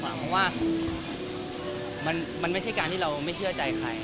เพราะว่ามันไม่ใช่การที่เราไม่เชื่อใจใคร